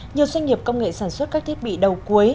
nhiều doanh nghiệp công nghệ sản xuất các thiết bị đầu cuối